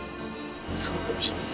すごく美味しいです。